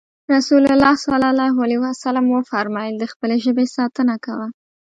رسول الله ص وفرمايل د خپلې ژبې ساتنه کوه.